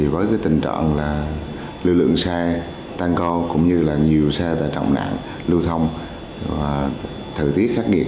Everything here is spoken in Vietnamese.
với tình trạng lưu lượng xe tan co cũng như nhiều xe trọng nạn lưu thông thử tiết khác biệt